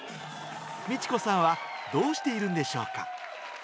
道子さんはどうしているんでしょうか。